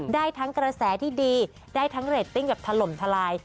ได้ทั้งกระแสที่ดีได้ทั้งเรตติ้งแบบถล่มทลาย